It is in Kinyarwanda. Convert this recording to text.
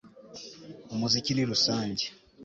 Umuziki ni rusange